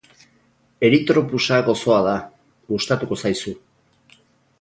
Erythropusa gozoa da, gustatuko zaizu.